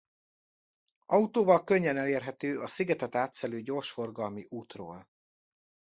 Autóval könnyen elérhető a szigetet átszelő gyorsforgalmi útról.